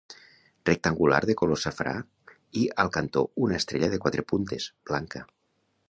Rectangular de color safrà i al cantó una estrella de quatre puntes, blanca.